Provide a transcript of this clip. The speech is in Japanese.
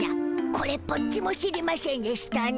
これっぽっちも知りましぇんでしたな。